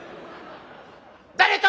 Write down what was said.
「誰と！」。